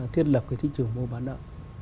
thiết lập cái thị trường mua bán nợ